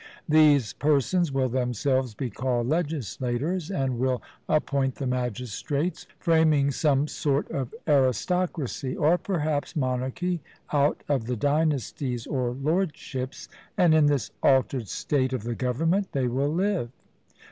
These persons will themselves be called legislators, and will appoint the magistrates, framing some sort of aristocracy, or perhaps monarchy, out of the dynasties or lordships, and in this altered state of the government they will live.